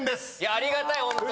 ありがたいホントに。